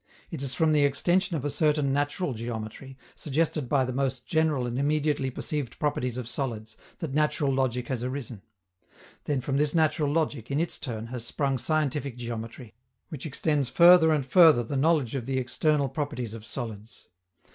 It is from the extension of a certain natural geometry, suggested by the most general and immediately perceived properties of solids, that natural logic has arisen; then from this natural logic, in its turn, has sprung scientific geometry, which extends further and further the knowledge of the external properties of solids.